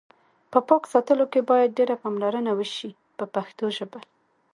په پاک ساتلو کې باید ډېره پاملرنه وشي په پښتو ژبه.